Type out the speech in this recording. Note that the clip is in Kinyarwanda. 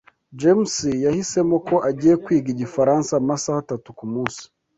James yahisemo ko agiye kwiga igifaransa amasaha atatu kumunsi.